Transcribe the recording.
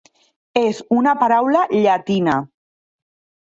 És una paraula llatina.